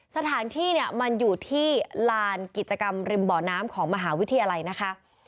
สถานที่เนี่ยมันอยู่ที่ลานกิจกรรมริมบ่อน้ำของมหาวิทยาลัยนะคะ